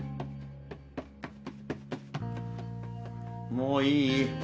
もういい？